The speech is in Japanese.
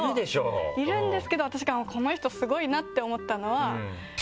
いるんですけど私がこの人スゴいなって思ったのは。